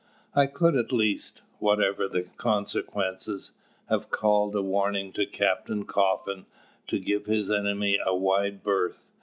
I could at least whatever the consequences have called a warning to Captain Coffin to give his enemy a wide berth.